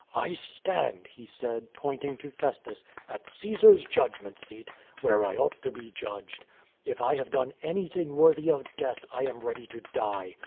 " I stand," he said, pointing to Festus, " at Caesar's judgment seat, where I ought to be judged. If I have done anything worthy of death I am ready to die.